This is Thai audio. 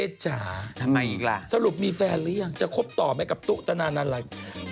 จ๋าทำไมอีกล่ะสรุปมีแฟนหรือยังจะคบต่อไหมกับตุ๊ตนานันลัย